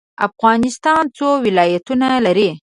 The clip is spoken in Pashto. افغانستان څو ولایتونه لري؟